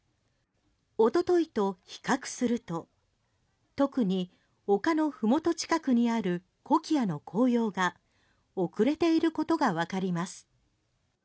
一昨日と比較すると特に丘のふもと近くにあるコキアの紅葉が遅れていることがわかります。